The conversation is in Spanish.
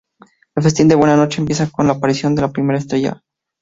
El festín de Nochebuena empieza con la aparición de la primera estrella.